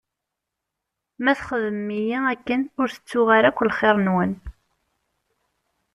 Ma txedmem-iyi akken, ur tettuɣ ara akk lxir-nwen.